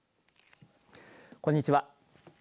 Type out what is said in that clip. こんにちは。